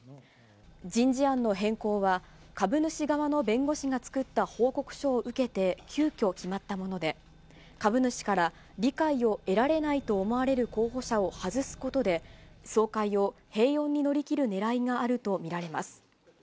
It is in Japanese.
人事案の変更は、株主側の弁護士が作った報告書を受けて急きょ決まったもので、株主から理解を得られないと思われる候補者を外すことで、総会を平穏に乗り切るねらいがあると見られます。